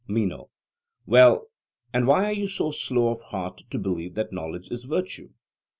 MENO: Well; and why are you so slow of heart to believe that knowledge is virtue?